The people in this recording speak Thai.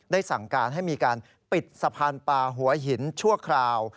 สั่งการให้มีการปิดสะพานปลาหัวหินชั่วคราว